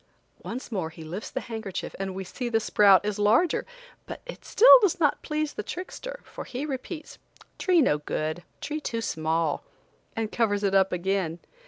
Once more he lifts the handkerchief and we see the sprout is larger, but still it does not please the trickster, for he repeats: "Tree no good; tree too small," and covers it up again.